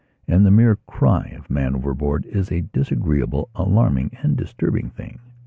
And the mere cry of "Man overboard" is a disagreeable, alarming and disturbing thing.